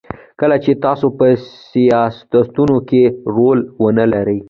کله چې تاسو په سیاستونو کې رول ونلرئ.